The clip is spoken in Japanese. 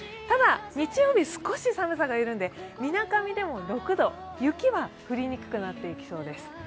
ただ日曜日は少し寒さが和らぎそうでみなかみでも６度、雪は降りにくくなっていきそうです。